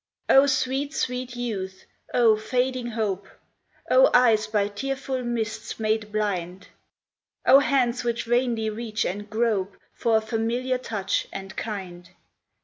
" Oh, sweet, sweet Youth ! Oh, fading Hope ! Oh, eyes by tearful mists made blind ! Oh, hands which vainly reach and grope For a familiar touch and kind